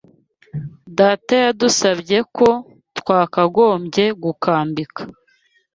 Data yadusabye ko twakagombye gukambika.